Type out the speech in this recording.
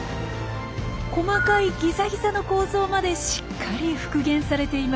細かいギザギザの構造までしっかり復元されています。